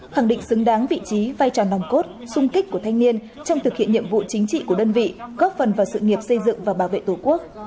khẳng định xứng đáng vị trí vai trò nòng cốt sung kích của thanh niên trong thực hiện nhiệm vụ chính trị của đơn vị góp phần vào sự nghiệp xây dựng và bảo vệ tổ quốc